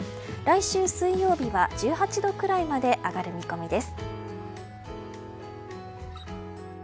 来週水曜日は１８度くらいまで上がる見込みです。